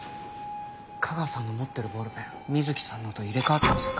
架川さんの持ってるボールペン水木さんのと入れ替わってませんか？